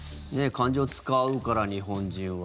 漢字を使うから日本人は。